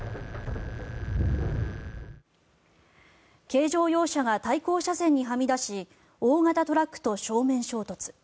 軽乗用車が対向車線にはみ出し大型トラックと正面衝突。